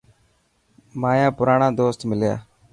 مايا پراڻا دوست مليا.